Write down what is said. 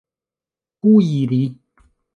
kuiri